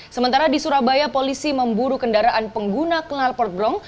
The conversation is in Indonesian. sementara di surabaya polisi memburu kendaraan pengguna kenalpot berong